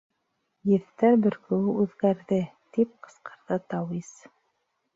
— Еҫтәр бөркөүе үҙгәрҙе! — тип ҡысҡырҙы тауис.